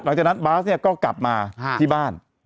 หลังจากนั้นบ๊าซก็กลับมาที่บ้าน